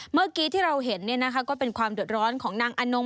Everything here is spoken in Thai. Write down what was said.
เมื่อกี้ที่เราเห็นก็เป็นความเดือดร้อนของนางอนง